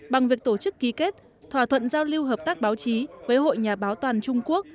bằng việc tổ chức ký kết thỏa thuận giao lưu hợp tác báo chí với hội nhà báo toàn trung quốc